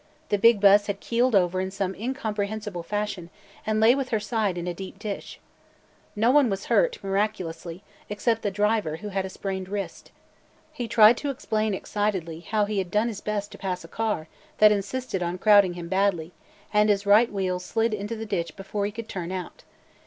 The big bus had keeled over in some incomprehensible fashion and lay with her side in a deep ditch. No one was hurt, miraculously, except the driver who had a sprained wrist. He tried to explain excitedly how he had done his best to pass a car that insisted on crowding him badly, and his right wheels slid into the ditch before he could turn out.